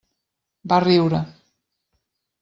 Va riure.